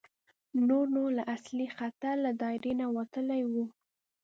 نور نو له اصلي خطر له دایرې نه وتلي وو.